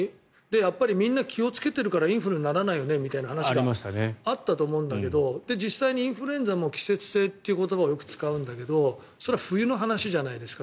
やっぱりみんな気をつけてるからインフルにならないよねみたいな話があったと思うんだけど実際にインフルエンザも季節性という言葉をよく使うんだけどそれは冬の話じゃないですか。